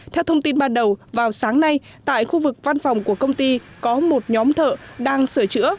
theo thông tin ban đầu vào sáng nay tại khu vực văn phòng của công ty có một nhóm thợ đang sửa chữa